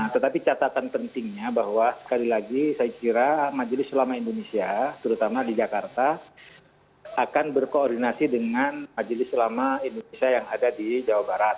tetapi catatan pentingnya bahwa sekali lagi saya kira majelis ulama indonesia terutama di jakarta akan berkoordinasi dengan majelis ulama indonesia yang ada di jawa barat